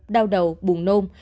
đau đầu buồn nôn